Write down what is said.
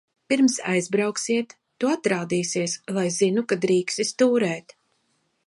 Pirms aizbrauksiet, tu atrādīsies, lai zinu, ka drīksti stūrēt.